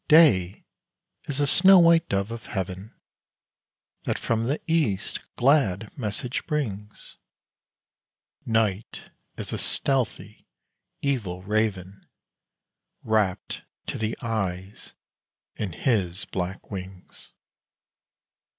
Day is a snow white dove of heaven, That from the east glad message brings: Night is a stealthy, evil raven, Wrapped to the eyes in his black wings.